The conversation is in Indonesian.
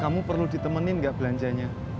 kamu perlu ditemenin gak belanjanya